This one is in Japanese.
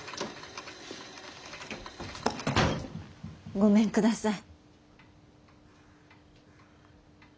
ごめんください。